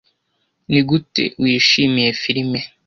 Nigute wishimiye firime?